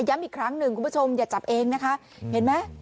ย้ำอีกครั้งหนึ่งคุณผู้ชมอย่าจับเองนะคะเห็นไหม